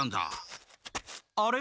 あれ？